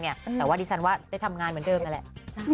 แต่ว่าดิฉันว่าได้ทำงานเหมือนเดิมนั่นแหละ